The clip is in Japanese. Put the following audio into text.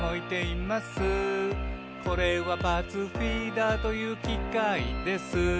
「これはパーツフィーダーというきかいです」